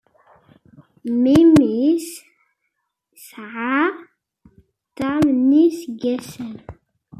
Memmi-s yesɛa tam n yiseggasen.